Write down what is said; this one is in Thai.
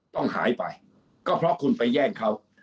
ต้องหายไปก็เพราะคุณไปแย่งเขา